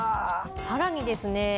さらにですね